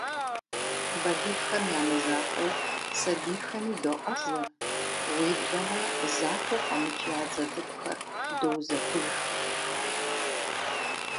Балигъхэм я мызакъуэу, сабийхэми доӀэзэ, уеблэмэ захуэу къэмыкӀ я дзэ цӀыкӀухэр доузэхуж.